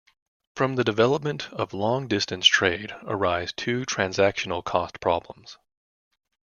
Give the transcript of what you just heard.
From the development of long-distance trade arise two transactional cost problems.